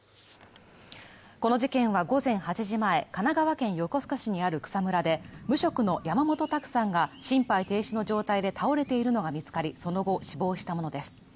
この事件は午前８時前、神奈川県横須賀市にある草むらで無職の山本卓さんが心肺停止の状態で倒れているのが見つかり、その後、死亡したものです。